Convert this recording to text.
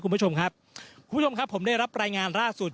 คุณผู้ชมครับคุณผู้ชมครับผมได้รับรายงานล่าสุด